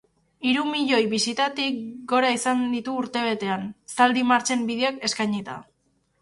Hiru milioi bisitatik gora izan ditu urtebetean, zaldi martxen bideoak eskainita.